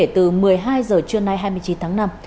từ một mươi hai h trưa nay hai mươi chín tháng năm